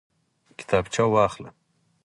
کتابچه واخله